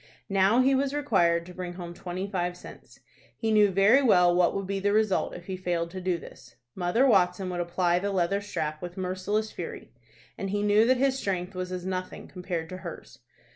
Now he was required to bring home twenty five cents. He knew very well what would be the result if he failed to do this. Mother Watson would apply the leather strap with merciless fury, and he knew that his strength was as nothing compared to hers.